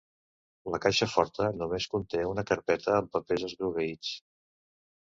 La caixa forta només conté una carpeta amb papers esgrogueïts.